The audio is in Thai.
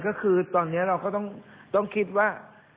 ก็คือตอนนี้เราก็ต้องคิดว่า